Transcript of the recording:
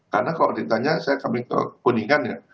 karena kalau ditanya saya kambing ke kuningan ya